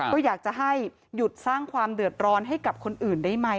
ก็อยากจะให้หยุดสร้างความเดือดร้อนให้กับคนอื่นได้ไหม